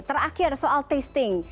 terakhir soal tasting